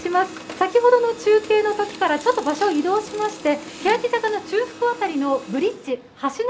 先ほどの中継のときから場所を移動しましてけやき坂の中腹辺りのブリッジ、橋の